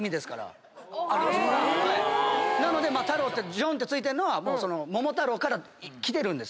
ジョンって付いてるのは桃太郎から来てるんです。